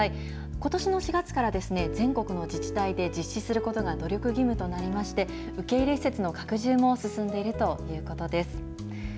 ことしの４月から、全国の自治体で実施することが努力義務となりまして、受け入れ施設の拡充も進んでいるということです。